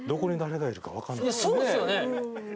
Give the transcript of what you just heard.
いやそうですよね。